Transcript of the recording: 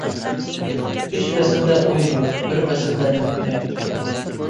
ئۈچ پەسىلدە ئويۇن يوق، بىر پەسىلدە مەن ئويناي.